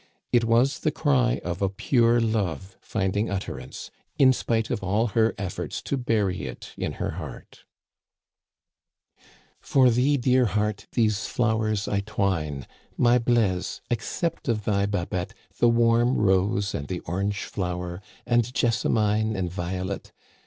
It was the cry of a pure love finding utterance, in spite of all her efforts to bury it in her heart :" For thee, dear heart, these flowers I twine. My Blaise, accept of thy Babette The warm rose and the orange flower, And jessamine and violet.